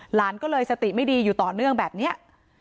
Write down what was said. หลานก็เลยสติไม่ดีอยู่ต่อเนื่องแบบนี้